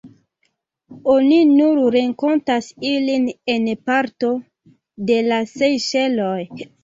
Oni nur renkontas ilin en parto de la Sejŝeloj.